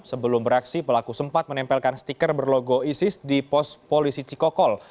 sebelum beraksi pelaku sempat menempelkan stiker berlogo isis di pos polisi cikokol